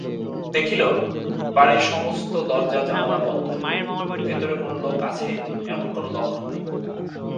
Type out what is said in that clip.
দেখিল, বাড়ির সমস্ত দরজাজোনলা বন্ধ, ভিতরে কোনো লোক আছে এমন লক্ষণ নাই।